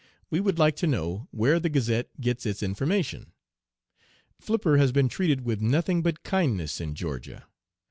We would like to know where the Gazette gets its information. Flipper has been treated with nothing but kindness in Georgia.